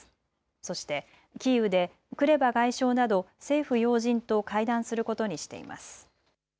そしてキーウでクレバ外相など政府要人と会談することにしています。